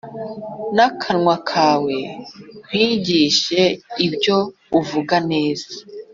n akanwa kawe nkwigishe ibyo uvuga neza